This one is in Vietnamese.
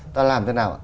ta làm thế nào